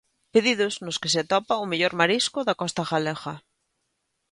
Pedidos nos que se atopa o mellor marisco da costa galega.